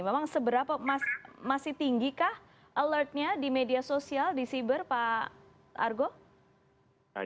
memang seberapa masih tinggikah alertnya di media sosial di siber pak argo